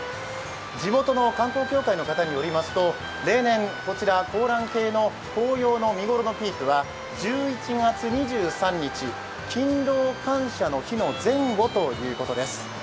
地元の観光協会の方によりますと例年、香嵐渓の紅葉の見頃のピークは１１月２３日、勤労感謝の日の前後ということです。